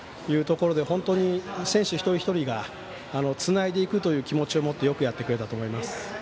本当に選手一人一人がつないでいくという気持ちを持ってよくやってくれたと思います。